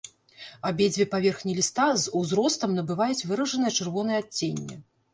Абедзве паверхні ліста з узростам набываюць выражанае чырвонае адценне.